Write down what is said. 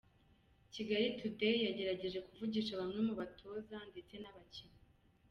Kigali Today yagerageje kuvugisha bamwe mu batoza ndetse n’abakinnyi.